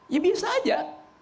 ya biasa aja